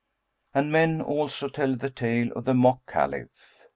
'" And men also tell the tale of THE MOCK CALIPH.